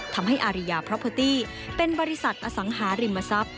ทำให้อาริยาพรอพอตี้เป็นบริษัทอสังหาริมทรัพย์